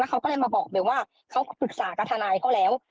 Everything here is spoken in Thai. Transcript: เขาก็เลยมาบอกเบลว่าเขาปรึกษากับทนายเขาแล้ว